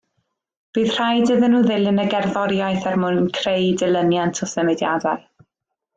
Bydd rhaid iddyn nhw ddilyn y gerddoriaeth er mwyn creu dilyniant o symudiadau